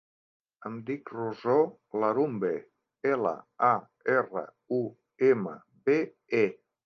Em dic Rosó Larumbe: ela, a, erra, u, ema, be, e.